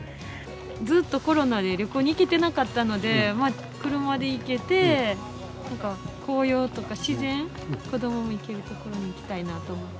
ずっとコロナで旅行に行けてなかったので、車で行けて、なんか紅葉とか自然、子どもも行ける所に行きたいなと思ってて。